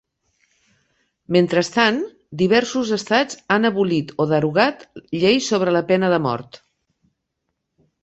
Mentrestant, diversos estats han abolit o derogat lleis sobre la pena de mort.